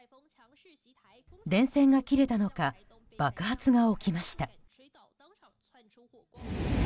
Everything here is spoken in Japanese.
電線が切れたのか爆発が起きました。